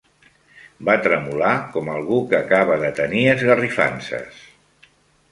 Va tremolar com algú que acaba de tenir esgarrifances.